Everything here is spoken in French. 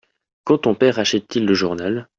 Quand ton père achète-il le journal ?